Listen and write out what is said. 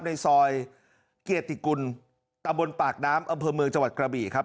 ในซอยเกียรติกุลตะบนปากน้ำอำเภอเมืองจังหวัดกระบี่ครับ